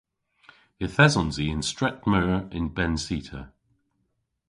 Yth esons i y'n stret meur y'n benncita.